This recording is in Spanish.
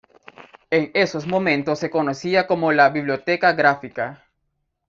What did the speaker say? En esos momentos se conocía como la "Biblioteca Gráfica".